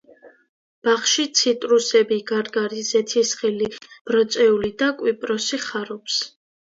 ბაღში ციტრუსები, გარგარი, ზეთისხილი, ბროწეული და კვიპროსი ხარობს.